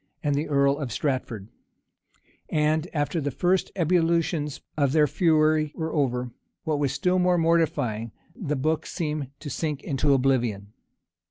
and the earl of Stratford; and after the first ebullitions of their fury were over, what was still more mortifying, the book seemed to sink into oblivion.